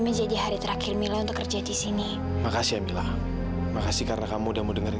menjadi hari terakhir mila untuk kerja di sini makasih karena kamu udah mau dengerin